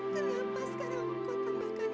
kenapa sekarang kau tambahkan